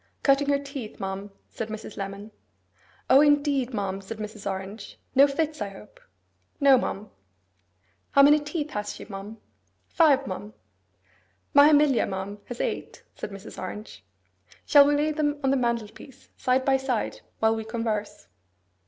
Cutting her teeth, ma'am,' said Mrs. Lemon. 'O, indeed, ma'am!' said Mrs. Orange. 'No fits, I hope?' 'No, ma'am.' 'How many teeth has she, ma'am?' 'Five, ma'am.' 'My Emilia, ma'am, has eight,' said Mrs. Orange. 'Shall we lay them on the mantelpiece side by side, while we converse?